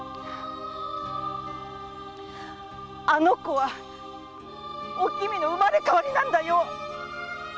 あの子はおきみの生まれ変わりなんだよ！